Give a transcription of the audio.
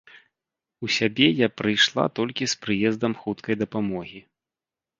У сябе я прыйшла толькі з прыездам хуткай дапамогі.